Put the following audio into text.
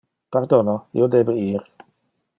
Pardono, io debe ir.